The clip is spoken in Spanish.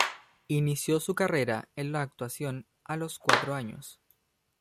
Inició su carrera en la actuación a los cuatro años.